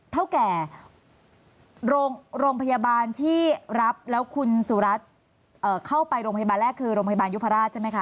เท่าแก่โรงพยาบาลที่รับแล้วคุณสุรัตน์เข้าไปโรงพยาบาลแรกคือโรงพยาบาลยุพราชใช่ไหมคะ